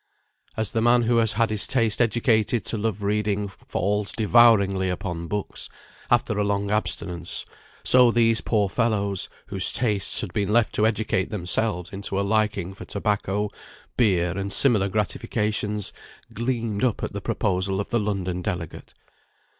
As the man who has had his taste educated to love reading, falls devouringly upon books after a long abstinence, so these poor fellows, whose tastes had been left to educate themselves into a liking for tobacco, beer, and similar gratifications, gleamed up at the proposal of the London delegate.